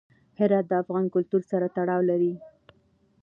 هرات د افغان کلتور سره تړاو لري.